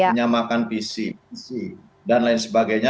menyamakan pc dan lain sebagainya